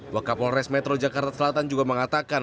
wakil prores metro jakarta selatan juga mengatakan